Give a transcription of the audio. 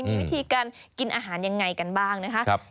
มีวิธีการกินอาหารยังไงกันบ้างนะคะ